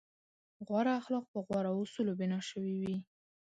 غوره اخلاق په غوره اصولو بنا شوي وي.